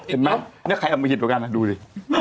เห็นมั้ยนี่ใครเอามือหิดเหลือกันดูสิ